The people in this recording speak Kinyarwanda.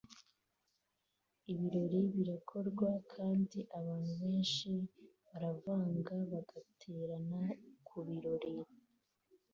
Ibirori birakorwa kandi abantu benshi baravanga bagaterana kubirori